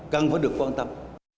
cần phải được quan tâm